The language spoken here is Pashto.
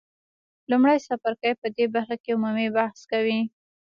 لومړی څپرکی په دې برخه کې عمومي بحث کوي.